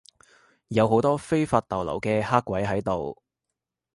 有好多非法逗留嘅黑鬼喺度